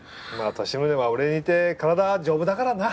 利宗は俺に似て体丈夫だからな。